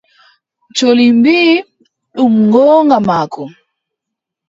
Colli mbii: ɗum goonga maako.